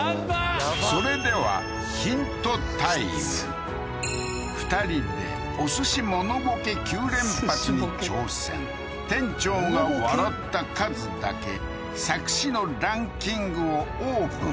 それでは２人でお寿司モノボケ９連発に挑戦店長が笑った数だけ佐久市のランキングをオープン